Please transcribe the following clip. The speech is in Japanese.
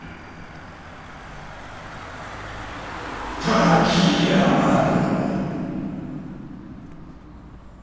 滝山殿。